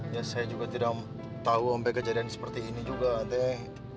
ya saya juga tidak tahu sampai kejadian seperti ini juga nantinya